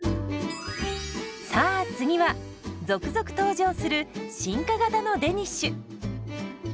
さあ次は続々登場する進化型のデニッシュ。